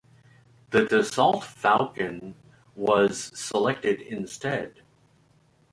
The Dassault Falcon was selected instead.